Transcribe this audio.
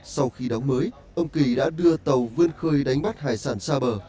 sau khi đóng mới ông kỳ đã đưa tàu vươn khơi đánh bắt hải sản xa bờ